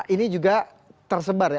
ini juga tersebar ya